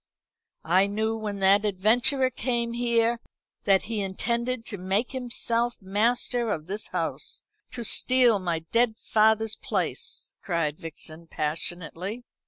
"I knew when that adventurer came here, that he intended to make himself master of this house to steal my dead father's place," cried Vixen passionately.